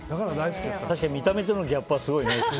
見た目とのギャップはすごいね。